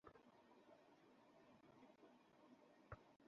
আমি একজন বয়স্কা মহিলা।